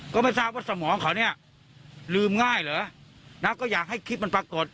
ก็ไม่ทราบว่าสมองเขาเนี่ยลืมง่ายเหรอนะก็อยากให้คลิปมันปรากฏ